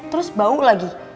terus bau lagi